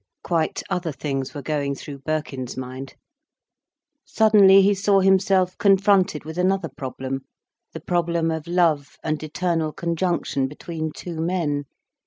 Quite other things were going through Birkin's mind. Suddenly he saw himself confronted with another problem—the problem of love and eternal conjunction between two men.